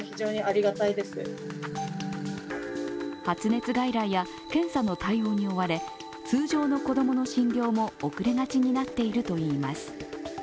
発熱外来や検査の対応に追われ、通常の子供の診療も遅れがちになっているといいます。